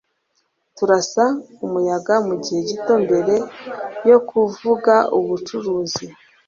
turasa umuyaga mugihe gito mbere yo kuvuga ubucuruzi